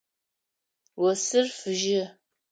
Осыр фыжьы.